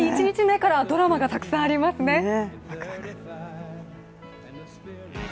１日目からドラマがたくさんありますね。